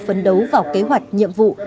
phân đấu vào kế hoạch nhiệm vụ